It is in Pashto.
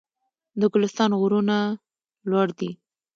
د ګلستان غرونه لوړ دي